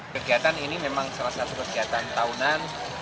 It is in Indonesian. kegiatan ini memang salah satu kegiatan tahunan